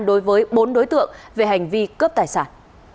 đối với bốn đối tượng về hành vi cướp tài sản